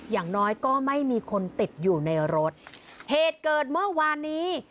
อย่างน้อยก็ไม่มีคนติดอยู่ในรถเหตุเกิดเมื่อวานนี้